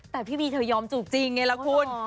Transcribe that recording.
แต่พี่บีเธอยอมจูบจริงไงล่ะคุณ